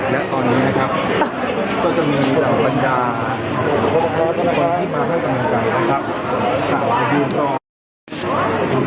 และตอนนี้นะครับต้อจะคุณคุณคตาว่าเจ้าสมันตราพอร์ซ